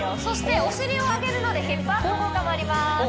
そしてお尻を上げるのでヒップアップ効果もあります